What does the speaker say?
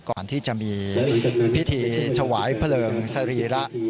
ก่อนที่จะมีพิธีถวายเพลิงสรีระ